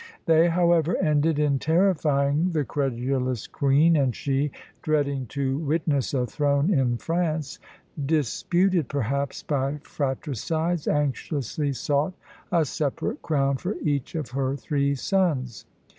They, however, ended in terrifying the credulous queen; and she, dreading to witness a throne in France, disputed perhaps by fratricides, anxiously sought a separate crown for each of her three sons.